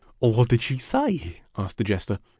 "What did she say?" asked the Jester.